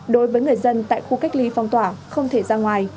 đối với người dân tại khu cách ly phong tỏa không thể ra ngoài